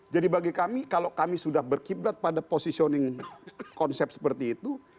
bagi kami kalau kami sudah berkiblat pada positioning konsep seperti itu